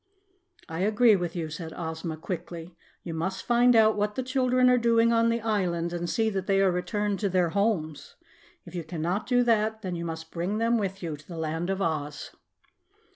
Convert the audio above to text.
"I agree with you," said Ozma quickly. "You must find out what the children are doing on the island and see that they are returned to their homes. If you cannot do that, then you must bring them with you to the Land of Oz."